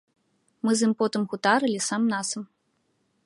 Мы з ім потым гутарылі сам-насам.